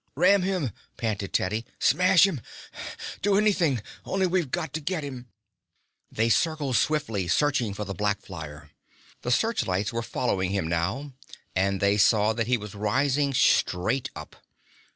"Ram him!" panted Teddy. "Smash him! Do anything, only we've got to get him!" They circled swiftly, searching for the black flyer. The searchlights were following him now, and they saw that he was rising straight up.